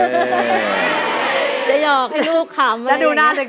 เดี๋ยวหยอกให้ลูกขำอะไรอย่างเนี่ย